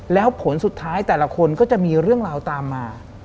แล้วผลสุดท้ายแต่ละคนก็จะมีเรื่องราวตามมา